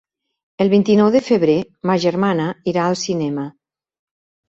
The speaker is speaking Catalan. El vint-i-nou de febrer ma germana irà al cinema.